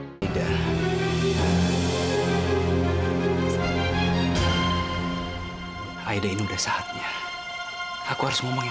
sampai jumpa di video selanjutnya